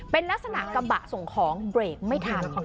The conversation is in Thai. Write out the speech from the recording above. เป็นลักษณะกระบะส่งของเบรกไม่ทัน